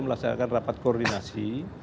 melaksanakan rapat koordinasi